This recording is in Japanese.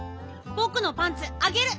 ぼくのパンツあげる！